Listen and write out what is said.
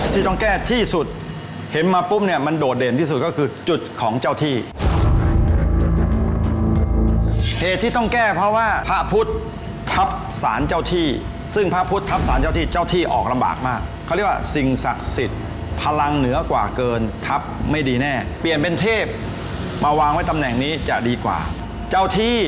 ที่ต้องแก้ที่สุดเห็นมาปุ๊บเนี่ยมันโดดเด่นที่สุดก็คือจุดของเจ้าที่เหตุที่ต้องแก้เพราะว่าพระพุทธทัพสารเจ้าที่ซึ่งพระพุทธทัพสารเจ้าที่เจ้าที่ออกลำบากมากเขาเรียกว่าสิ่งศักดิ์สิทธิ์พลังเหนือกว่าเกินทัพไม่ดีแน่เปลี่ยนเป็นเทพมาวางไว้ตำแหน่งนี้จะดีกว่าเจ้าที่